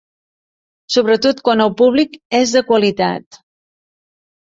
Sobretot quan el públic és de qualitat.